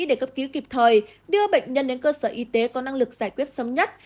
để cấp cứu kịp thời đưa bệnh nhân đến cơ sở y tế có năng lực giải quyết sớm nhất